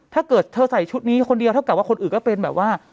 ถ้าเกิดเธอใส่ชุดนี้คนเดียวเท่ากับว่าคนอื่นก็เป็นแบบว่า